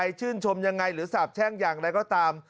ชื่นชมยังไงหรือสาบแช่งอย่างไรก็ตาม